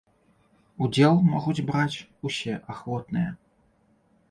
Удзел могуць браць усе ахвотныя.